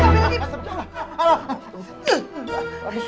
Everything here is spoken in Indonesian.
ya allah nek